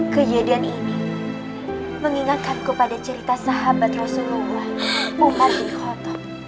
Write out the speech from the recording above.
kejadian ini mengingatkan kepada cerita sahabat rasulullah umar bin khotob